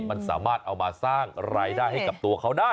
มันสามารถเอามาสร้างรายได้ให้กับตัวเขาได้